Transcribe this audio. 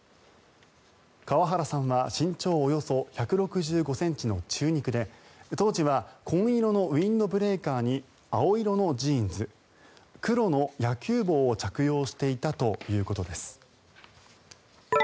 川原さんは身長およそ１６５ｃｍの中肉で当時は紺色のウィンドブレーカーに青色のジーンズ黒の野球帽を着用していたということです。